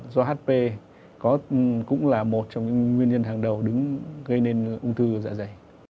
do hp cũng là một trong những nguyên nhân hàng đầu đứng gây nên ung thư dạ dày